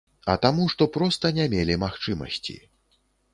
А таму, што проста не мелі магчымасці.